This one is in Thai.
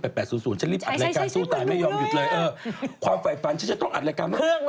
ถ้าสูตรตอนนี้มันมีระบบที่จอดรถเองอัตโนมัติ